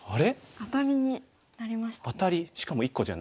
アタリになりましたね。